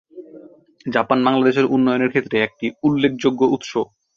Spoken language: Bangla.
জাপান বাংলাদেশের উন্নয়নের ক্ষেত্রে একটি উল্লেখযোগ্য উৎস।